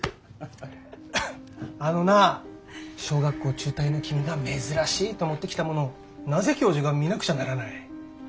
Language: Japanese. あのなあ小学校中退の君が珍しいと持ってきたものをなぜ教授が見なくちゃならない？